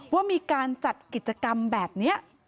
ว่ามีการจัดกิจกรรมแบบนี้